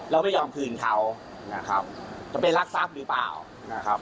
เราไม่ยอมคืนเขานะครับจะไปรักทรัพย์หรือเปล่านะครับ